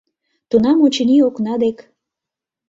Тунам, очыни, окна дек